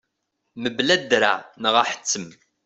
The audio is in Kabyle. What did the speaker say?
Mebla draɛ neɣ aḥettem.